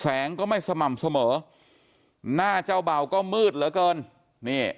ก็ไม่สม่ำเสมอหน้าเจ้าเบาก็มืดเหลือเกินนี่